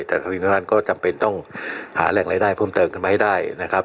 แต่ความจำเป็นต้องหาแหล่งรายได้เพิ่มเติมกันมาให้ได้นะครับ